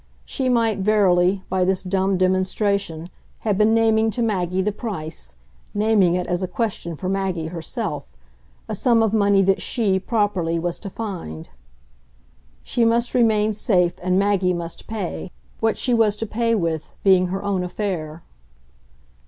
She might verily, by this dumb demonstration, have been naming to Maggie the price, naming it as a question for Maggie herself, a sum of money that she, properly, was to find. She must remain safe and Maggie must pay what she was to pay with being her own affair.